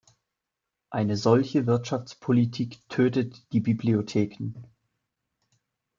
Eine solche Wirtschaftspolitik tötet die Bibliotheken.